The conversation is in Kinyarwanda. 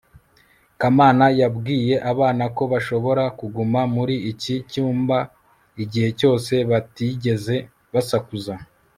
kamana yabwiye abana ko bashobora kuguma muri iki cyumba igihe cyose batigeze basakuza